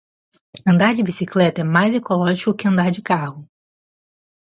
Andar de bicicleta é mais ecológico que andar de carro.